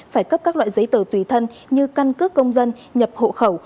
phải cấp các loại giấy tờ tùy thân như căn cước công dân nhập hộ khẩu